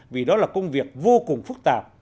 vì đó là công việc vô cùng phức tạp